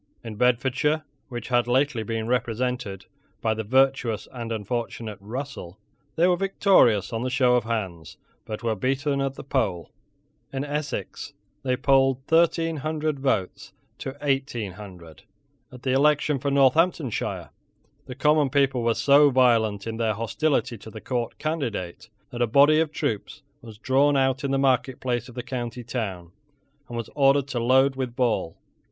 In Bedfordshire, which had lately been represented by the virtuous and unfortunate Russell, they were victorious on the show of hands, but were beaten at the poll. In Essex they polled thirteen hundred votes to eighteen hundred. At the election for Northamptonshire the common people were so violent in their hostility to the court candidate that a body of troops was drawn out in the marketplace of the county town, and was ordered to load with ball.